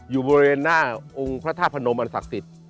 อยู่บริเวณหน้าองค์พระธาตุพนมอันศักดิ์สิทธิ์